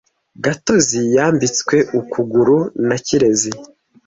Gatozi yambitswe ukuguru na Kirezi .